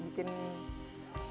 mungkin jenuh bosan